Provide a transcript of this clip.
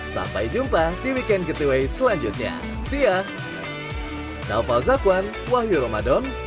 sampai jumpa di weekend getaway selanjutnya sia